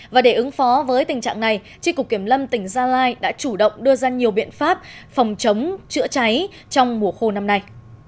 và để ứng phó với tình trạng này tri cục kiểm lâm tỉnh gia lai đã chủ động đưa ra nhiều biện pháp phòng chống chữa cháy trong mùa khô năm nay